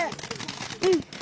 うん。